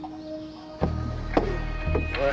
おい